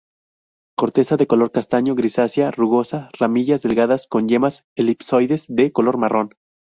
Corteza de color castaño grisácea, rugosa; ramillas delgadas, con yemas elipsoides, de color marrón.